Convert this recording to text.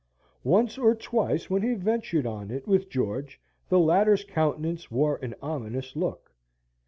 Once or twice when he ventured on it with George, the latter's countenance wore an ominous look.